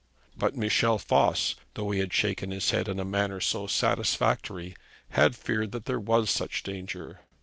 But Michel Voss, though he had shaken his head in a manner so satisfactory, had feared that there was such danger.